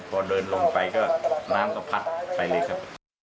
พอเดินลงไปก็น้ำก็พัดไปเลยครับ